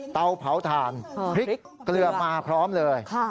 เตาเผาถ่านพริกเกลือมาพร้อมเลย